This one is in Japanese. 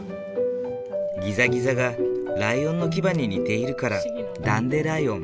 ギザギザがライオンの牙に似ているからダンデライオン。